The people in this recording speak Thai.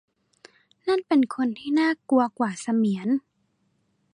นั่นเป็นคนที่น่ากลัวกว่าเสมียน